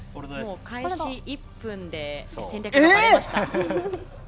開始１分で戦略がばれました。